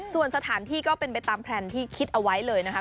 ส่วนสถานที่ก็เป็นไปตามแพลนที่คิดเอาไว้เลยนะคะ